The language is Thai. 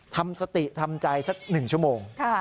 ทำสติทำใจสัก๑ชั่วโมง